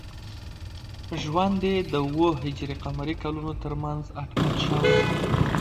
ژوند یې د او ه ق کلونو تر منځ اټکل شوی.